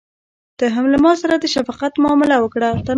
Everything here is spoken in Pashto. ته هم له ماسره د شفقت معامله وکړه.